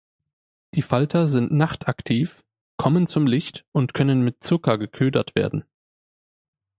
Die Falter sind nachtaktiv, kommen zum Licht und können mit Zucker geködert werden.